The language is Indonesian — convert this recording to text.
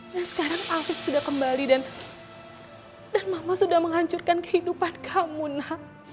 dan sekarang afif sudah kembali dan mama sudah menghancurkan kehidupan kamu ma